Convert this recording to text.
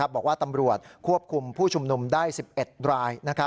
บอกว่าตำรวจควบคุมผู้ชุมนุมได้๑๑ราย